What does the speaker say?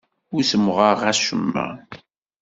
Ur ssemɣareɣ acemma.